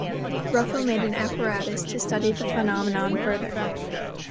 Ruffo made an apparatus to study the phenomenon further.